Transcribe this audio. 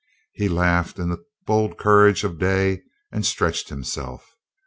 He laughed in the bold courage of day and stretched himself.